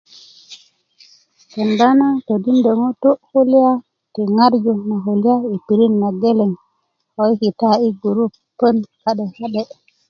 kenda na todindö ŋutu' kulya ti ŋarju na kulya i pirit na geleŋ ko i kita i gurupon ka'de ka'de